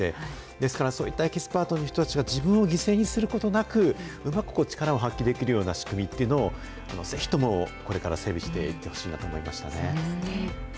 ですから、そういったエキスパートの人たちが自分を犠牲にすることなく、うまく力を発揮できるような仕組みっていうのを、ぜひともこれから整備していってほしいなと思いましたね。